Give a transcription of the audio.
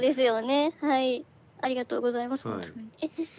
ありがとうございます。